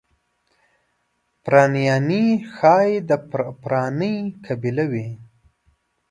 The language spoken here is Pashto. پرنیاني ښایي د پارني قبیله وي.